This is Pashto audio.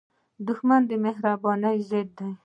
• دښمني د مهربانۍ ضد ده.